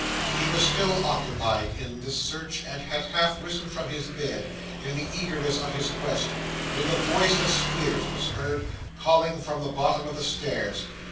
He was still occupied in this search, and had half risen from his bed in the eagerness of his quest, when the voice of Squeers was heard, calling from the bottom of the stairs.